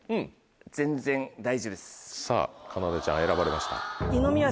さぁかなでちゃん選ばれました。